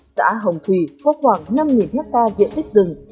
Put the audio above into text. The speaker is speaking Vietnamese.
xã hồng thủy có khoảng năm hectare diện tích rừng